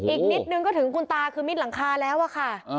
อีกนิดนึงก็ถึงคุณตาคือมิดหลังคาแล้วอะค่ะ